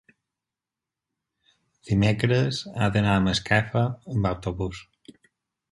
dimecres he d'anar a Masquefa amb autobús.